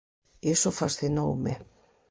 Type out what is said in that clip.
Iso fascinoume.